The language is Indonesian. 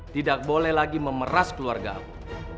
tidak boleh lagi memeras keluarga aku